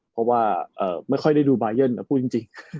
เพราะว่าไม่ค่อยได้ดูบายันพูดจริง